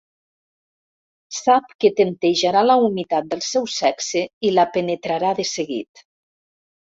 Sap que temptejarà la humitat del seu sexe i la penetrarà de seguit.